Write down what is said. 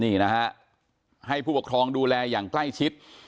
นี่นะฮะให้ผู้ปกครองดูแลอย่างใกล้ชิด